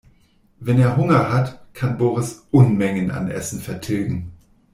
Wenn er Hunger hat, kann Boris Unmengen an Essen vertilgen.